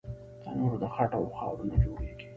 تنور د خټو او خاورو نه جوړېږي